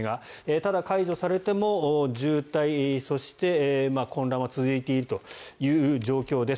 ただ解除されても渋滞そして混乱は続いているという状況です。